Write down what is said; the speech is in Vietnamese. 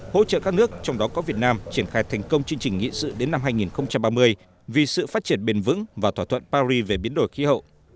hỗ trợ các nước trong đó có việt nam triển khai thành công chương trình nghị sự đến năm hai nghìn ba mươi vì sự phát triển bền vững và thỏa thuận paris về biến đổi khí hậu